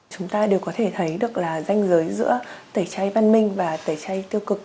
chúng ta đều có thể thấy được là danh giới giữa tẩy chay văn minh và tẩy chay tiêu cực